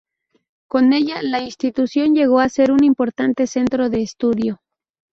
Con ella, la institución llegó a ser un importante centro de estudio.